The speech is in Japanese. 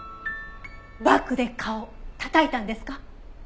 バッグで蚊をたたいたんですか？